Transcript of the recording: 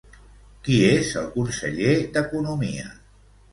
Qui és el conseller d'Economia?